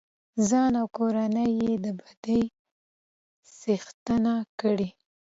ځان او کورنۍ يې د بدۍ څښتنه کړه.